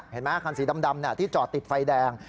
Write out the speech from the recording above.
เห็นไหมคันสีดำที่จอดติดไฟแดง